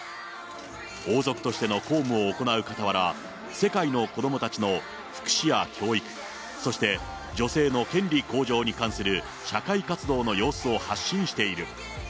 王族としての公務を行うかたわら、世界の子どもたちの福祉や教育、そして女性の権利向上に関する社会活動の様子を発信している。